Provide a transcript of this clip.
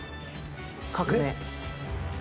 革命！